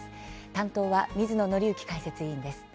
担当は水野倫之解説委員です。